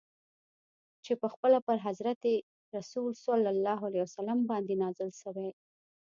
چي پخپله پر حضرت رسول ص باندي نازل سوی.